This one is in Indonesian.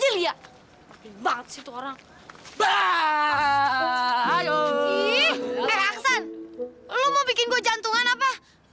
lo mau bikin gue jantungan apa